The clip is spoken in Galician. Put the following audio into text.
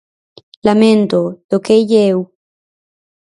Laméntoo, toqueille eu.